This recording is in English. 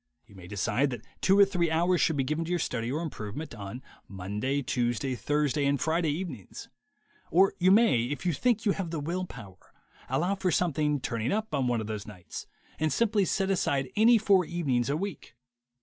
You may decide that two or three hours should be given to your study or improvement on Monday, Tuesday, Thursday and Friday evenings; or you may, if you think you have the will power, allow for something "turning up" on one of those nights, and simply set aside any four evenings a week.